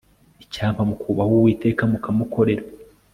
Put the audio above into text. icyampa mukubaha uwiteka mukamukorera